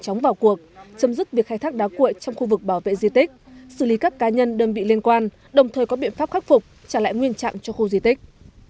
chấm dứt việc khai thác đá quậy trong khu vực bảo vệ di tích xử lý các cá nhân đơn vị liên quan đồng thời có biện pháp khắc phục trả lại nguyên trạng cho khu di tích